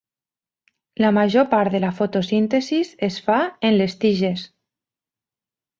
La major part de la fotosíntesi es fa en les tiges.